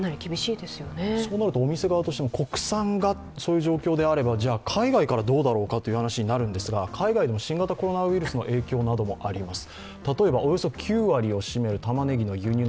お店側としても国産がそういう状況であればじゃ海外からどうだろうかという話になるんですが、海外でも新型コロナウイルスなどの影響もあります。